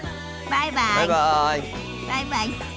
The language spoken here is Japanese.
バイバイ。